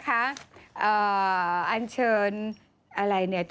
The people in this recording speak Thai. อัญเชิญอะไรเนี่ยเธอ